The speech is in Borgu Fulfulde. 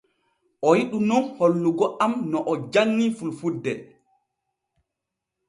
O yiɗu nun hollugo am no o janŋii fulfulde.